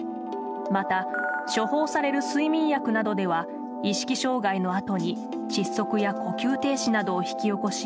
また、処方される睡眠薬などでは意識障害のあとに窒息や呼吸停止などを引き起こし